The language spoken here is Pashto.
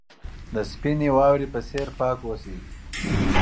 د سپینې واورې په څېر پاک اوسئ.